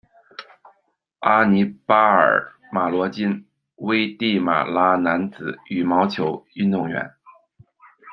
阿尼巴尔·马罗金，危地马拉男子羽毛球运动员。